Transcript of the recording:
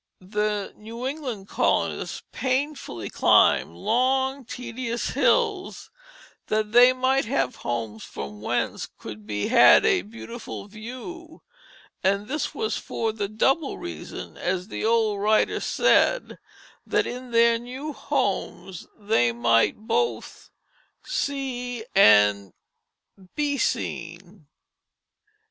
The New England colonists painfully climbed long, tedious hills, that they might have homes from whence could be had a beautiful view, and this was for the double reason, as the old writer said, that in their new homes they might both see and be seen.